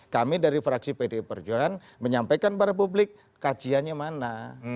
kami dari fraksi pdi perjuangan menyampaikan kepada publik kajiannya mana